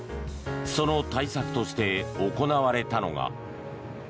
その対策として行われたのが。